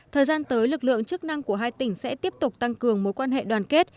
thời gian tới lực lượng chức năng của hai tỉnh sẽ tiếp tục tăng cường mối quan hệ đoàn kết